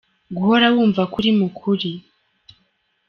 Guhora wumva ko uri mu kuri.